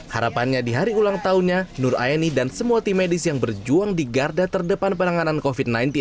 harapannya di hari ulang tahunnya nur aini dan semua tim medis yang berjuang di garda terdepan penanganan covid sembilan belas